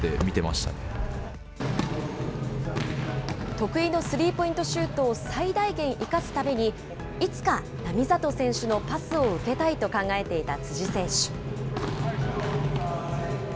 得意のスリーポイントシュートを最大限生かすために、いつか並里選手のパスを受けたいと考えていた辻選手。